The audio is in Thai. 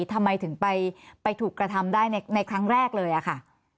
ทำไมถึงไปถูกกระทำได้ในครั้งแรกเลยอะค่ะ